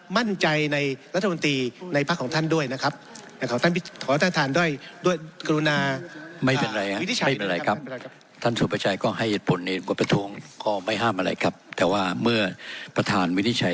มั่นใจในรัฐบันตรีในภาคของท่านด้วยนะครับขอต้อนรัฐทานด้วย